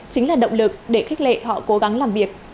chính là động lực để khích lệ họ cố gắng làm việc